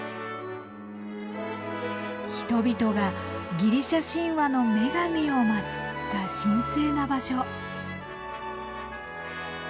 人々がギリシャ神話の女神を祭った神聖な場所。